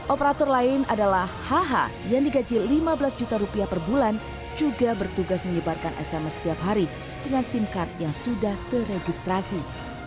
operator lain adalah hh yang digaji lima belas juta rupiah per bulan juga bertugas menyebarkan sms setiap hari dengan sim card yang sudah terregistrasi